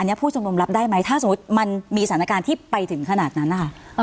อันนี้ผู้ชุมนุมรับได้ไหมถ้าสมมุติมันมีสถานการณ์ที่ไปถึงขนาดนั้นนะคะ